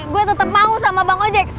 gue tetap mau sama bang ojek